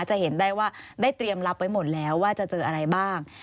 จะเห็นได้ว่าได้เตรียมรับไว้หมดแล้วว่าจะเจออะไรบ้าง